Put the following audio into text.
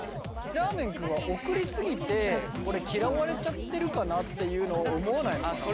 らーめん君は送り過ぎてこれ嫌われちゃってるかなっていうのを思わないのかな。